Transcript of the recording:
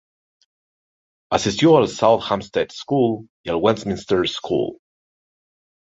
Asistió al South Hampstead School y al Westminster School.